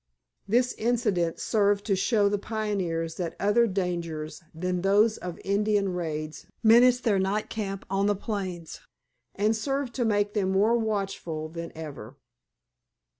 This incident served to show the pioneers that other dangers than those of Indian raids menaced their night camp on the plains, and served to make them more watchful than ever.